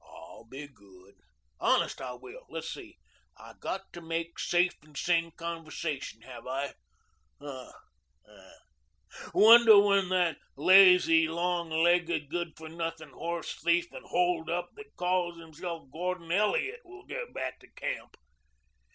"I'll be good honest I will. Let's see. I got to make safe and sane conversation, have I? Hm! Wonder when that lazy, long legged, good for nothing horsethief and holdup that calls himself Gordon Elliot will get back to camp."